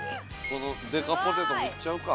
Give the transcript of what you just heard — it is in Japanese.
このでかポテトもいっちゃうか。